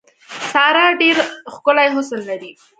ساره ډېر ښکلی حسن لري.